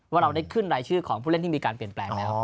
ว่าเราได้ขึ้นรายชื่อของผู้เล่นที่มีการเปลี่ยนแปลงแล้ว